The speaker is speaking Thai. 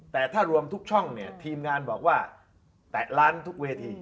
แต่ถ้ารวมทุกช่องเนี่ยทีมงานบอกว่าแตะล้านทุกเวที